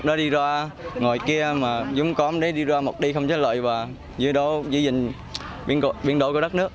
đó đi ra ngồi kia mà dùng cắm để đi ra một đi không trả lợi và giữ gìn biển đổ của đất nước